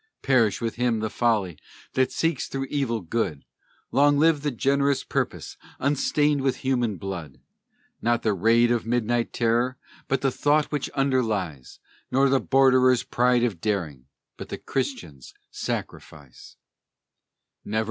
Perish with him the folly that seeks through evil good! Long live the generous purpose unstained with human blood! Not the raid of midnight terror, but the thought which underlies; Not the borderer's pride of daring, but the Christian's sacrifice.